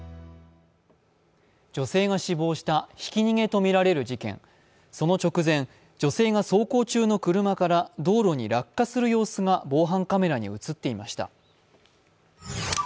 女性が死亡したひき逃げとみられる事件その直前、女性が走行中の車から道路に落下する様子が防犯カメラに映っていました。